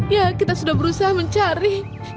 ya kita sudah berusaha mencari